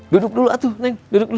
duduk dulu atuh neng duduk dulu